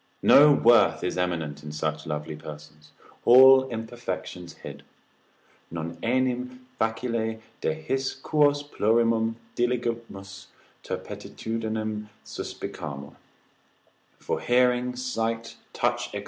No worth is eminent in such lovely persons, all imperfections hid; non enim facile de his quos plurimum diligimus, turpitudinem suspicamur, for hearing, sight, touch, &c.